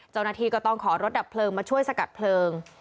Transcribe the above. เจ้าหน้าที่ก็ต้องขอรถดับเพลิงมาช่วยสกัดเพลิง